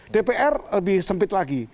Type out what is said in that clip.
dpr lebih sempit lagi